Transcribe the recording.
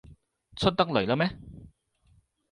出得嚟喇咩？